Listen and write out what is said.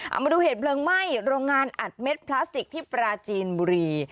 เอามาดูเหตุเพลิงไหม้โรงงานอัดเม็ดพลาสติกที่ปราจีนบุรี